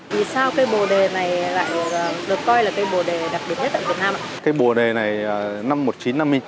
vì sao cây bồ đề này lại được coi là cây bồ đề đặc biệt nhất ở việt nam ạ